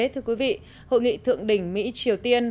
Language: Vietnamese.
thưa quý vị hội nghị thượng đỉnh mỹ triều tiên